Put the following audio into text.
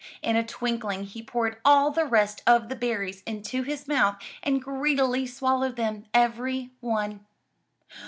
In a twinkling he poured all the rest of the berries into his mouth and greedily swallowed them, every one.